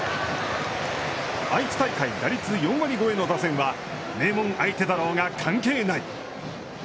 愛知大会打率４割超えの打線は、名門相手だろうが関係ない。